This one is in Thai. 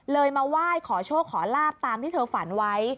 มาไหว้ขอโชคขอลาบตามที่เธอฝันไว้